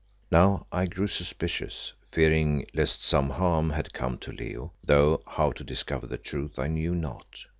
Now, I grew suspicious, fearing lest some harm had come to Leo, though how to discover the truth I knew not.